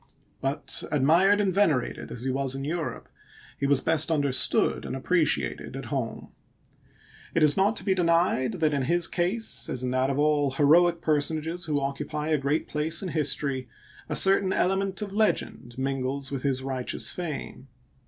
But admired and venerated as he was in Europe, he was best understood and appreciated at home* It is not to be denied that in his case, as in that of all heroic personages who occupy a great place in history, a certain element of legend mingles with his righteous fame.